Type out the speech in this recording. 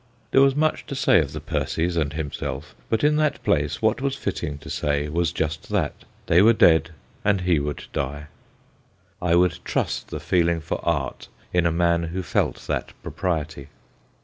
There was much to say of the Percies and himself, but in that place what was fitting to say was just that : they were dead and he would die. I would trust the feeling for art in a man who felt that propriety.